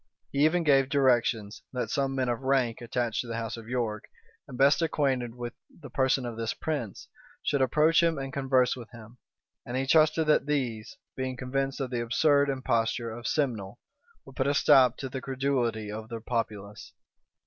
He even gave directions, that some men of rank, attached to the house of York, and best acquainted with the person of this prince, should approach him and converse with him: and he trusted that these, being convinced of the absurd imposture of Simnel, would put a stop to the credulity of the populace.